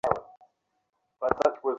সিঁড়ি দিয়া নীচে নামিবার পদশব্দ শোনা গেল।